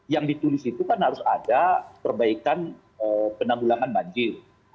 yang ditulis itu kan harus ada perbaikan penanggulangan banjir